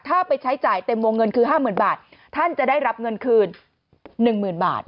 ถ้าไปใช้จ่ายเต็มวงเงินคือห้ามื่นบาทท่านจะได้รับเงินคืนหนึ่งหมื่นบาท